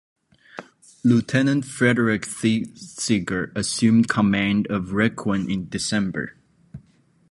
Lieutenant Frederick Thesiger assumed command of "Requin" in December.